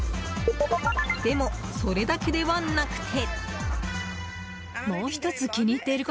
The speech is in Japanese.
でも、それだけではなくて。